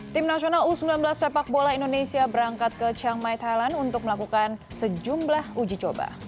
tim nasional u sembilan belas sepak bola indonesia berangkat ke chiang mai thailand untuk melakukan sejumlah uji coba